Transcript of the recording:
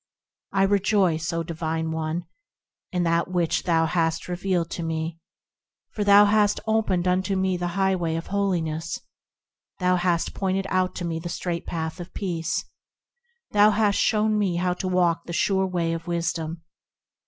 I rejoice, O Divine One ! in that which thou hast revealed to me ; For thou hast opened unto me the highway of holiness ; Thou hast pointed out to me the straight path of peace; Thou hast shown me how to walk the sure way of wisdom.